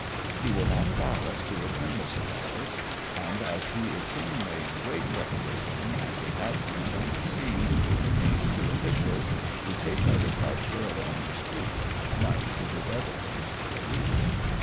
He will not allow us to return the cigars, and as he is seemingly in great trepidation at the advent on the scene of these two officials, we take our departure along the street, much to his evident relief.